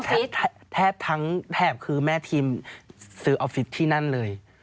แทบทั้งแถบคือแม่ทีมซื้อออฟฟิศที่นั่นเลย